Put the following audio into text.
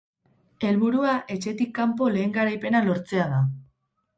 Helburua etxetik kanpo lehen garaipena lortzea da.